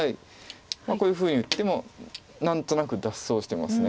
こういうふうに打っても何となく脱走してます。